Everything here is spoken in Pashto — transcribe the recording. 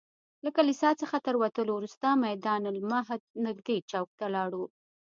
له کلیسا څخه تر وتلو وروسته میدان المهد نږدې چوک ته لاړو.